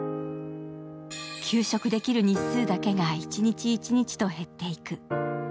休職できる日数だけが一日一日と減っていく。